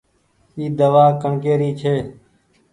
اي دوآ ڪڻڪي ري ڇي۔